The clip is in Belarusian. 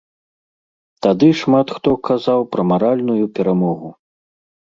Тады шмат хто казаў пра маральную перамогу.